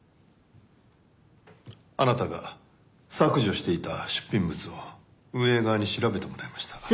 あなたが削除していた出品物を運営側に調べてもらいました。